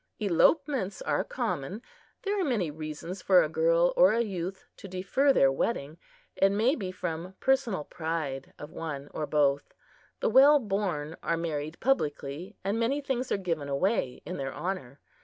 Elopements are common. There are many reasons for a girl or a youth to defer their wedding. It may be from personal pride of one or both. The well born are married publicly, and many things are given away in their honor.